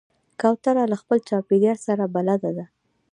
کوتره له خپل چاپېریال سره بلد ده.